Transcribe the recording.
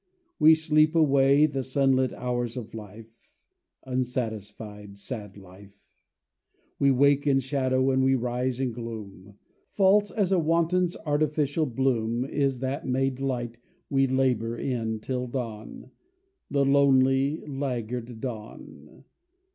We sleep away the sunlit hours of life (Unsatisfied, sad life), We wake in shadow and we rise in gloom. False as a wanton's artificial bloom Is that made light we labour in till dawn (The lonely, laggard dawn).